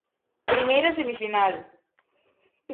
Primeira semifinal.